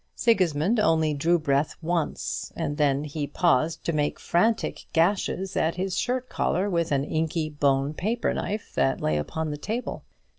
Sigismund only drew breath once, and then he paused to make frantic gashes at his shirt collar with an inky bone paper knife that lay upon the table.